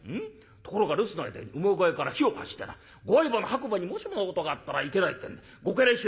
ところが留守の間に馬小屋から火を発してなご愛馬の白馬にもしものことがあったらいけないってんでご家来衆